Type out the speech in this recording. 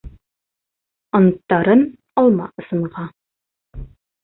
Анттарын алма ысынға.